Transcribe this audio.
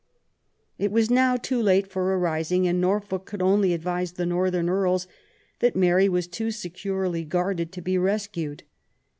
It was now too late for a rising, and Norfolk could only advise the northern Earls that Mary was too securely guarded to be rescued.